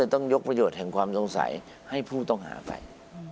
ต้องยกประโยชน์แห่งความสงสัยให้ผู้ต้องหาไป